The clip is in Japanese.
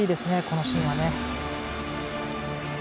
このシーンは。